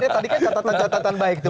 tadi kan catatan catatan baik itu